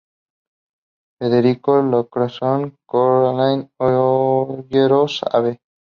Federico Lacroze, Charlone, Olleros, Av.